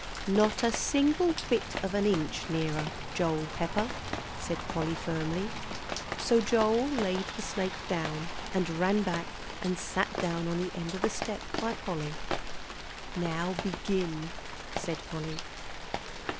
"Not a single bit of an inch nearer, Joel Pepper," said Polly, firmly. So Joel laid the snake down and ran back and sat down on the end of the step by Polly. "Now begin," said Polly.